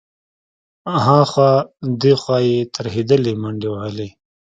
ها خوا دې خوا يې ترهېدلې منډې وهلې.